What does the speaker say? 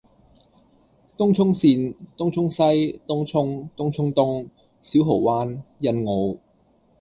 東涌綫：東涌西，東涌，東涌東，小蠔灣，欣澳，